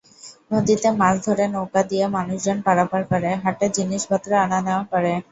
নদীতে মাছ ধরে, নৌকা দিয়ে মানুষজন পারাপার করে, হাটের জিনিসপত্র আনা-নেওয়া করে।